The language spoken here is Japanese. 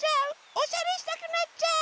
おしゃれしたくなっちゃう！